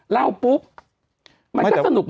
แล้วก็ให้เล่าน่าปลูก